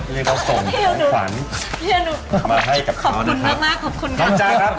นี่เขาส่งอันขวัญมาให้กับเขานะฮะ